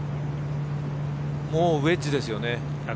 もうウエッジですよね。